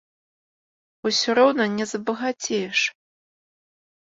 Усё роўна не забагацееш.